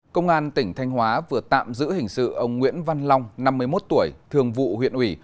công an tỉnh thanh hóa vừa tạm giữ hình sự ông nguyễn văn long năm mươi một tuổi thường vụ huyện ủy